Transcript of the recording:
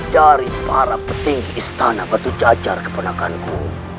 dari para petinggi istana batu cacar keponakanku